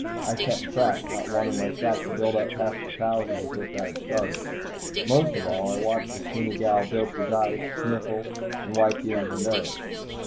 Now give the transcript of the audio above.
I kept track, not wanting my stack to build up past the thousand with which I had started. Most of all, I watched the skinny gal dope the dice, sniffle and wipe the end of her nose.